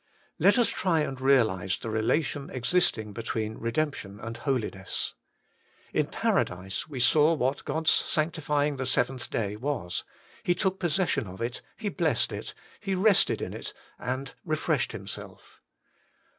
Let us try and realize the relation existing 48 HOLY IN CHRIST. between redemption and holiness. In Paradise we saw what God's sanctifying the seventh day was : He took possession of it, He blessed it, He rested in it and refreshed Himself.